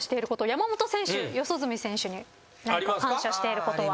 山本選手四十住選手に何か感謝していることは。